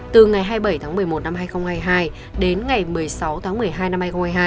từ ngày hai mươi bảy tháng một mươi một năm hai nghìn hai mươi hai đến ngày một mươi sáu tháng một mươi hai năm hai nghìn hai mươi hai